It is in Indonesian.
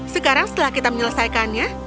sekarang setelah kita menyelesaikannya